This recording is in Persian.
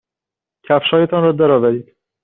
کفشهایتان را درآورید.